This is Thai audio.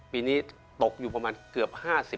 ปีนี้ตกอยู่ประมาณเกือบ๕๐